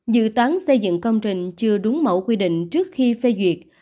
dự toán xây dựng công trình chưa đúng mẫu quy định trước khi phê duyệt